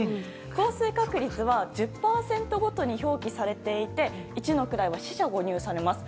降水確率は１０％ごとに表記されていて１の位は四捨五入されます。